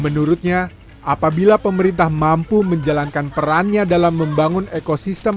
menurutnya apabila pemerintah mampu menjalankan perannya dalam membangun ekosistem